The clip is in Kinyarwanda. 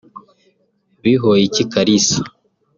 Bihoyiki Kalisa